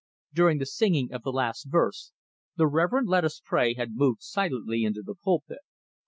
During the singing of the last verse, the Reverend Lettuce Spray had moved silently into the pulpit.